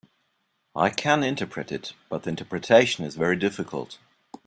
I can interpret it, but the interpretation is very difficult.